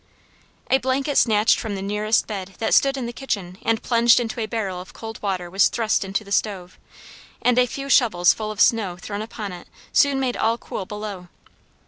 A blanket snatched from the nearest bed, that stood in the kitchen, and plunged into a barrel of cold water was thrust into the stove, and a few shovels full of snow thrown upon it soon made all cool below.